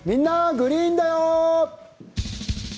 グリーンだよ」。